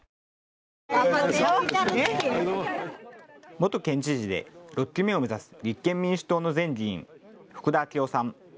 元県知事で６期目を目指す立憲民主党の前議員、福田昭夫さん。